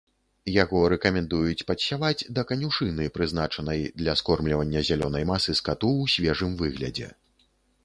Яго рэкамендуюць падсяваць да канюшыны, прызначанай для скормлівання зялёнай масы скату ў свежым выглядзе.